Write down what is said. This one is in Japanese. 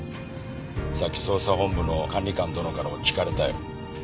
さっき捜査本部の管理官殿からも聞かれたよ。